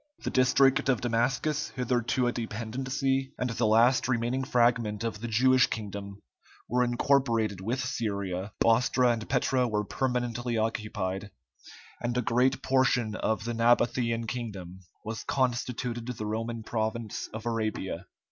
The district of Damascus, hitherto a dependency, and the last remaining fragment of the Jewish kingdom, were incorporated with Syria; Bostra and Petra were permanently occupied, and a great portion of the Nabathæan kingdom was constituted the Roman province of Arabia.